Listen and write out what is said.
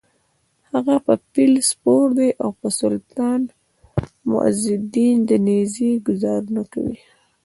هغه په فیل سپور دی او په سلطان معزالدین د نېزې ګوزار کوي: